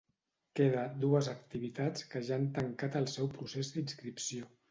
Queda dues activitats que ja han tancat el seu procés d’inscripció.